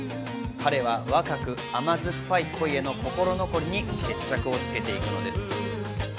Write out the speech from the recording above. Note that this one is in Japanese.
彼は若く甘酸っぱい恋への心残りに決着をつけていくのです。